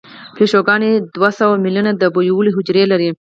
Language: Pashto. پیشوګان دوه سوه میلیونه د بویولو حجرې لري.